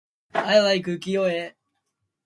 I like [unclear|cooking Yoe?].